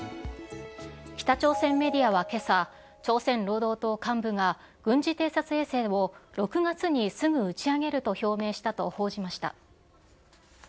北朝鮮メディアはけさ、朝鮮労働党幹部が軍事偵察衛星を６月にすぐ打ち上げると表明したと報じました。